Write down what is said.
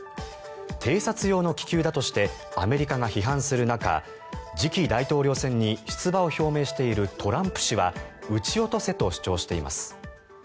偵察用の気球だとしてアメリカが批判する中次期大統領選に出馬を表明しているトランプ氏は撃ち落とせと主張しています。